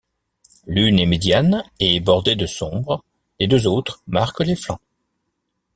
L'une est médiane et bordée de sombre, les deux autres marquent les flancs.